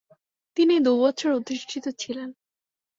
তিনি দু'বছর অধিষ্ঠিত ছিলেন।